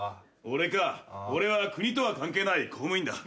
俺は国とは関係ない公務員だ。